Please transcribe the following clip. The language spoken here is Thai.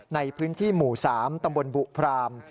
ในพื้นที่หมู่๓ตำบลบุพราม